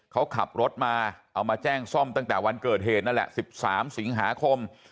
เขาขับรถมาเอามาแจ้งซ่อมตั้งแต่วันเกิดเหตุนั่นแหละ๑๓สิงหาคม